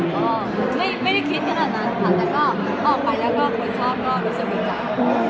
ก็ไม่ได้คิดขนาดนั้นค่ะแต่ก็ออกไปแล้วก็คนชอบก็รู้สึกดีใจ